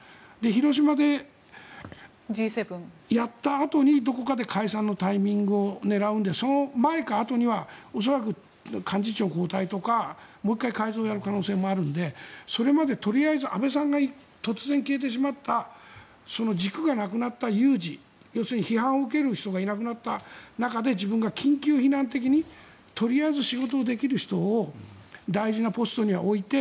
広島でＧ７をやったあとにどこかで解散のタイミングを狙うのでその前かあとには恐らく、幹事長交代とかもう１回改造をやる可能性もあるのでそれまでとりあえず安倍さんが突然消えてしまったその軸がなくなった有事要するに批判を受ける人がいなくなった中で自分が緊急避難的にとりあえず仕事ができる人を大事なポストには置いて。